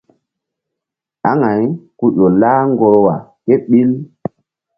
Aŋay ku ƴo lah ŋgorwa kéɓil.